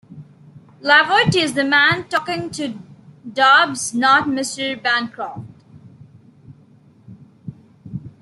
Laverty is the man talking to Dobbs, not Mr. Bancroft.